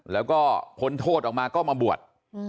แล้วก็พ้นโทษออกมาก็มาบวช